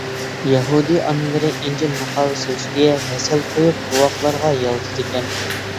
يەھۇدىي ئانىلىرى «ئىنجىل» مۇقاۋىسى ئۈستىگە ھەسەل قويۇپ، بوۋاقلارغا يالىتىدىكەن.